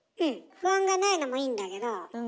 不安がないのもいいんだけど。